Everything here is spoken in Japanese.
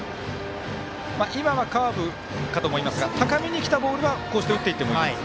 今は、カーブかと思いますが高めにきたボールはこうして打っていってもいい？